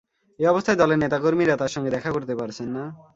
এ অবস্থায় দলের নেতা কর্মীরা তাঁর সঙ্গে দেখা করতে পারছেন না।